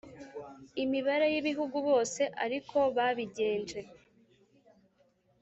imibanire y'ibihugu bose ari ko babigenje?